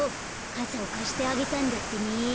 かさをかしてあげたんだってね。